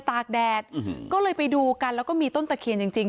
ตากแดดอืมก็เลยไปดูกันแล้วก็มีต้นตะเคียนจริงจริง